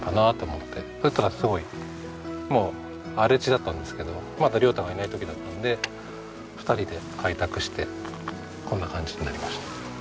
そしたらすごい荒れ地だったんですけどまだ椋太がいない時だったので２人で開拓してこんな感じになりました。